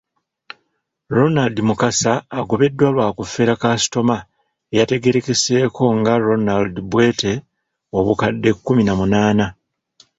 Ronald Mukasa agobeddwa lwa kufera kasitoma eyategeerekeseeko nga Ronald Bwete obukadde kkumi na munaana.